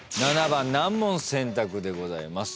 ７番難問選択でございます。